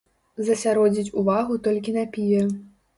Засяродзіць увагу толькі на піве.